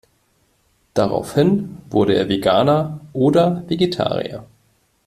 Daraufhin wurde er Veganer oder Vegetarier.